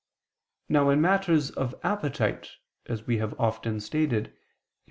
Now in matters of appetite, as we have often stated (Q.